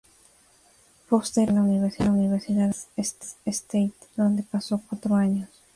Foster asistió a la Universidad de Texas State, donde pasó cuatro años.